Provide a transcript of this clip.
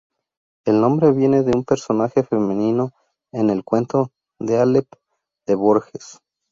El nombre viene de un personaje femenino en el cuento El Aleph de Borges.